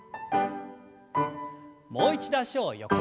もう一度脚を横に。